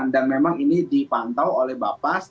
dan memang ini dipantau oleh bapak